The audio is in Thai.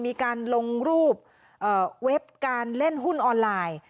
มีการลงรูปเว็บการเล่นหุ้นออนไลน์